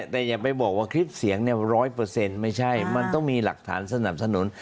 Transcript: แต่อย่าไปบอกว่าคลิปเสียง๑๐๐ไม่ใช่มันต้องมีหลักฐานสนับสนุน